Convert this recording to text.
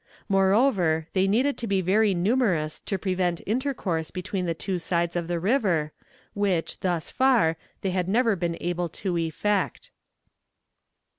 Moreover, they needed to be very numerous to prevent intercourse between the two sides of the river, which, thus far, they had never been able to effect.